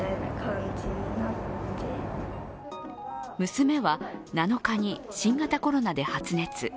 娘は７日に新型コロナで発熱。